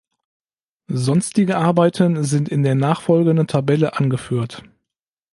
Sonstige Arbeiten sind in der nachfolgenden Tabelle angeführt.